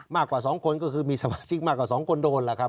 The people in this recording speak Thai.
มากกว่า๒คนก็คือมีสมาชิกมากกว่า๒คนโดนล่ะครับ